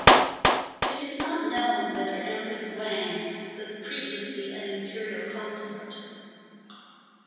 It is not known whether Empress Wang was previously an imperial consort.